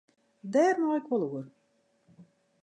Dêr mei ik wol oer.